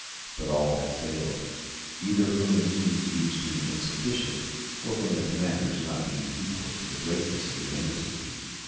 But all had failed, either from the means used being insufficient, or from the commanders not being equal to the greatness of the undertaking.